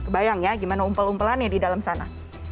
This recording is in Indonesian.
bayang ya gimana umpel umpelannya di dalam sana